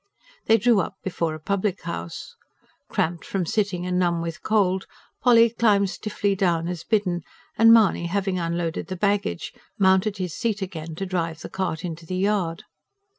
They drew up before a public house. Cramped from sitting and numb with cold, Polly climbed stiffly down as bidden; and Mahony having unloaded the baggage, mounted to his seat again to drive the cart into the yard.